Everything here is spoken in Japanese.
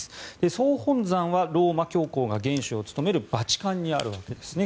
総本山はローマ教皇が元首を務めるバチカンにあるわけですね。